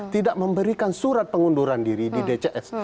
tidak memberikan surat pengunduran diri di dcs